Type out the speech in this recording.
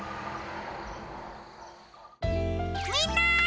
みんな！